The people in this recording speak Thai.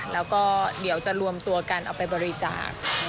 แล้วก็เดี๋ยวจะรวมตัวกันเอาไปบริจาค